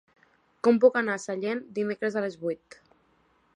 Com puc anar a Sallent dimecres a les vuit?